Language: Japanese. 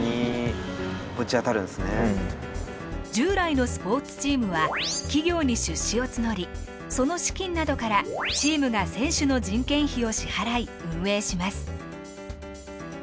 従来のスポーツチームは企業に出資を募りその資金などからチームが選手の人件費を支払い運営します。